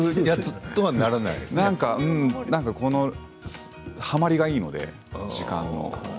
なんかはまりがいいので時間の。